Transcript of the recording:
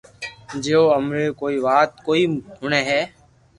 جي او امري ڪوئي وات ڪوئي ھوڻي ھي